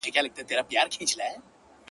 که مړ کېدم په دې حالت کي دي له ياده باسم.